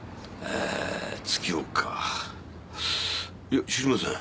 いや知りません。